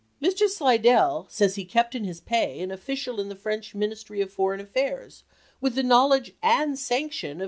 Mr. Slidell says he kept in his pay an official in the French Ministry of Foreign Affairs with the knowledge and sanction of M.